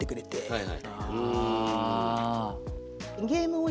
はい。